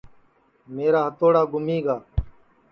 میرا ہتوڑا گُمی گا